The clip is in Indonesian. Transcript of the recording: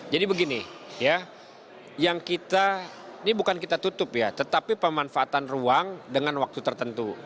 jadi begini ya yang kita ini bukan kita tutup ya tetapi pemanfaatan ruang dengan waktu tertentu